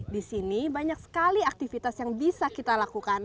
di sini banyak sekali aktivitas yang bisa kita lakukan